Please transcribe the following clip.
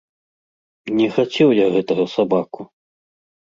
Не хацеў я гэтага сабаку.